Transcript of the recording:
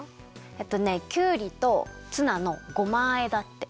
えっとねきゅうりとツナのごまあえだって。